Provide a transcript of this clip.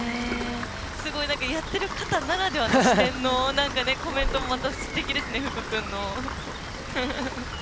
やってる方ならではのコメントすてきですね、福君の。